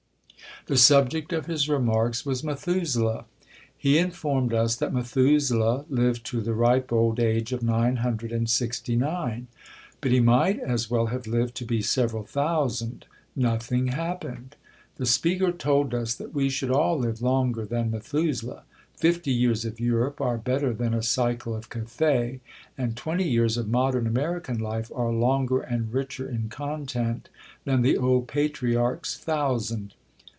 The subject of his "remarks" was Methuselah. He informed us that Methuselah lived to the ripe old age of nine hundred and sixty nine. But he might as well have lived to be several thousand nothing happened. The speaker told us that we should all live longer than Methuselah. Fifty years of Europe are better than a cycle of Cathay, and twenty years of modern American life are longer and richer in content than the old patriarch's thousand.